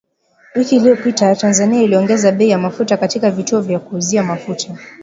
Wiki iliyopita, Tanzania iliongeza bei ya mafuta katika vituo vya kuuzia mafuta